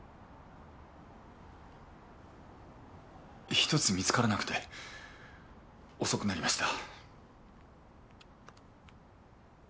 １つ見つからなくて遅くなりました。